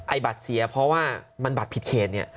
บัตรเสียเพราะว่ามันบัตรผิดเขตเนี่ย